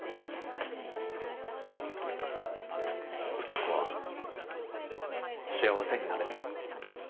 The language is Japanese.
歌子は幸せになれる。